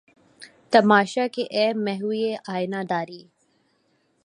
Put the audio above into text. تماشا کہ اے محوِ آئینہ داری!